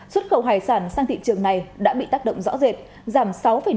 xuất khẩu hải sản sang thị trường này đã bị tác động rõ rệt giảm sáu năm